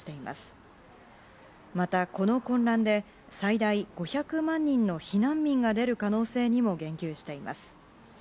また、この混乱で最大５００万人の避難民が出る可能性にも言及しています。